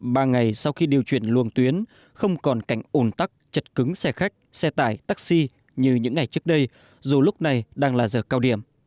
ba ngày sau khi điều chuyển luồng tuyến không còn cảnh ồn tắc chật cứng xe khách xe tải taxi như những ngày trước đây dù lúc này đang là giờ cao điểm